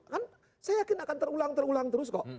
kan saya yakin akan terulang terulang terus kok